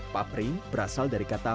papri berasal dari kata